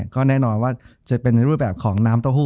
ก็แน่นอนว่าจะเป็นในรูปแบบของน้ำเต้าหู้